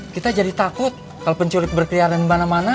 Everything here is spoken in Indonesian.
kita jadi takut kalau pencuri berkeliaran di mana mana